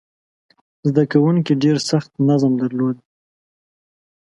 زده کوونکي ډېر سخت نظم درلود.